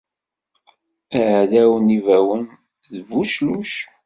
Aɛdaw n yibawen, d bucluc